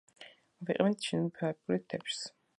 ვიყენებთ ჩინური ფაიფურის თეფშს